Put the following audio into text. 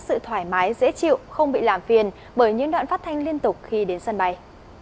sự thoải mái dễ chịu không bị làm phiền bởi những đoạn phát thanh liên tục khi đến sân bay